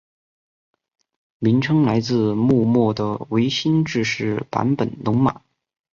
名称来自幕末的维新志士坂本龙马。